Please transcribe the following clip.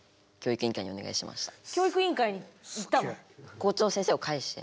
校長先生を介して。